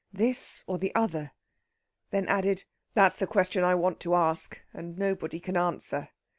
this or the other?" Then added: "That's the question I want to ask, and nobody can answer."